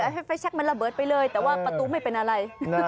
ให้ไฟแชคมันระเบิดไปเลยแต่ว่าประตูไม่เป็นอะไร